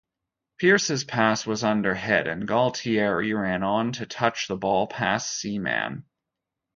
Pearce's pass was under-hit and Gualtieri ran on to touch the ball past Seaman.